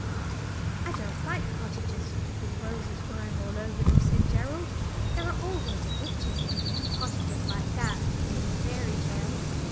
"I don't like cottages with roses growing over them," said Gerald. "There are always witches living in cottages like that, in the fairy tales.